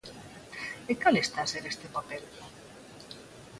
E cal está a ser este papel?